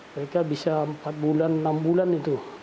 mereka bisa empat bulan enam bulan itu